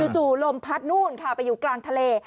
ลมพัดนู่นค่ะไปอยู่กลางทะเล